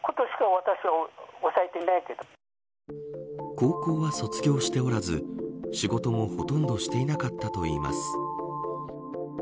高校は卒業しておらず仕事もほとんどしていなかったといいます。